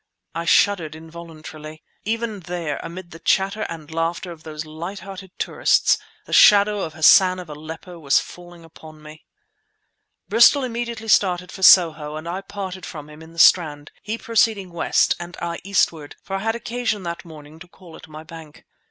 I shuddered involuntarily. Even there, amid the chatter and laughter of those light hearted tourists, the shadow of Hassan of Aleppo was falling upon me. Bristol started immediately for Soho and I parted from him in the Strand, he proceeding west and I eastward, for I had occasion that morning to call at my bank.